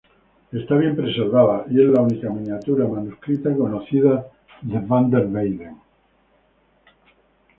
Está bien preservada, y es la única miniatura manuscrita conocida de van der Weyden.